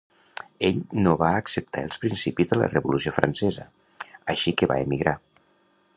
Ell no va acceptar els principis de la Revolució Francesa, així que va emigrar.